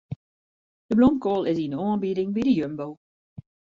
De blomkoal is yn de oanbieding by de Jumbo.